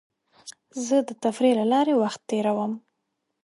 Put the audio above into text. زه د تفریح له لارې وخت تېرووم.